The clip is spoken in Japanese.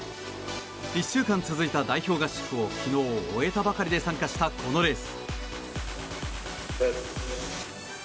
１週間続いた代表合宿を昨日、終えたばかりで参加したこのレース。